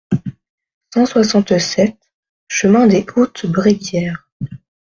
cent soixante-sept chemin des Hautes Bréguières